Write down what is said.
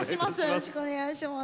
よろしくお願いします。